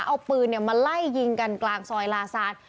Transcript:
เอาปืนมาไล่ยิงกันกลางซอยลาซาน